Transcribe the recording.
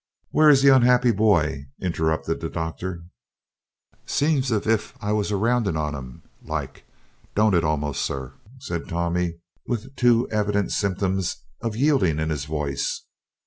"Where is the unhappy boy?" interrupted the Doctor. "Seems as if I was a roundin' on 'im, like, don't it a'most, sir?" said Tommy, with too evident symptoms of yielding in his voice.